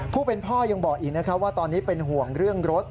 ผู้เป็นพ่อยังบอกอีกนะครับว่าตอนนี้เป็นห่วงเรื่องรถ